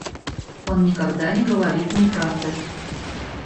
Он никогда не говорит неправды.